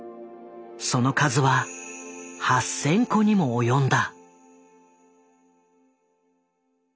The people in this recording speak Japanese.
その数は８，０００個にも及んだ。